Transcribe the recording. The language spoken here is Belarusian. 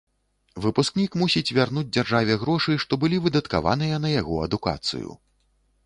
Выпускнік мусіць вярнуць дзяржаве грошы, што былі выдаткаваныя на яго адукацыю.